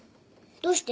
どうして？